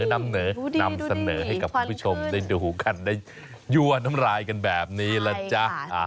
นำเสนอให้กับคุณผู้ชมได้ดูกันได้ยั่วน้ำรายกันแบบนี้ล่ะจ๊ะ